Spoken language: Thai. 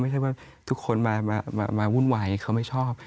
ไม่ใช่ว่าทุกคนมาวุ่นวายเขาไม่ชอบ